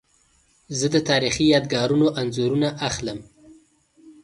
زه د تاریخي یادګارونو انځورونه اخلم.